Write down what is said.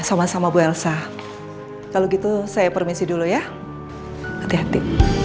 sama sama bu elsa kalau gitu saya permisi dulu ya hati hati